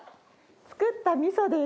作った味噌です！